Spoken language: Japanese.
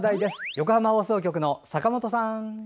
横浜放送局の坂本さん。